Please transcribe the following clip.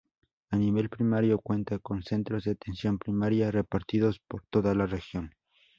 A nivel primario cuenta con centros de atención primaria repartidos por toda la región.